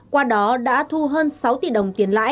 qua đó đã thu hơn sáu tỷ đồng tiền lãi